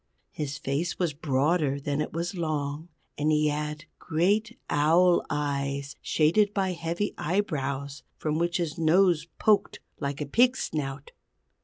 His face was broader than it was long, and he had great owl eyes shaded by heavy eyebrows from which his nose poked like a pig's snout.